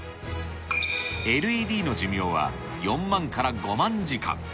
ＬＥＤの寿命は４万から５万時間。